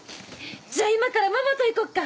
じゃ今からママと行こっか！